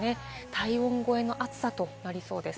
体温超えの暑さとなりそうです。